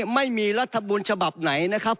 ไม่มีรัฐบุญฉบับไหนนะครับ